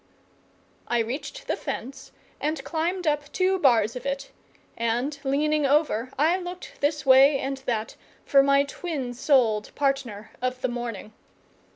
I reached the fence and climbed up two bars of it, and leaning over I looked this way and that for my twin souled partner of the morning.